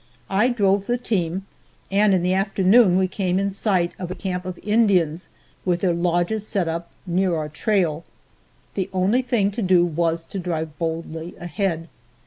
I drove the team, and in the afternoon we came in sight of a camp of Indians with their lodges set up near our trail. The only thing to do was to drive boldly ahead.